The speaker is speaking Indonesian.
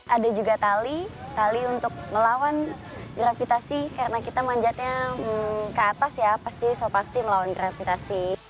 ada juga tali tali untuk melawan gravitasi karena kita manjatnya ke atas ya pasti so pasti melawan gravitasi